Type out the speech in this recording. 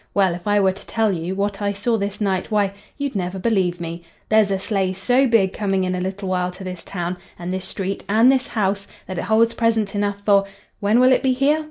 Well, if I were to tell you—what I saw this night, why,—you'd never believe me. There's a sleigh so big coming in a little while to this town, and this street, and this house, that it holds presents enough for—. "'When will it be here?'